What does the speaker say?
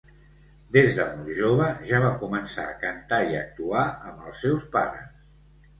Des de molt jove ja va començar a cantar i actuar amb els seus pares.